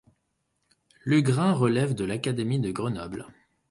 Lugrin relève de l'académie de Grenoble.